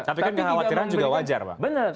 tapi kan kekhawatiran juga wajar pak